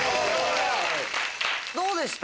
どうでした？